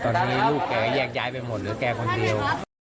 ตอนนี้ลูกแกแยกย้ายไปหมดเหลือแกคนเดียว